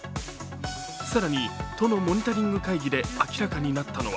更に都のモニタリング会議で明らかになったのは